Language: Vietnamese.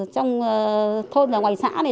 trong thôn và ngoài xã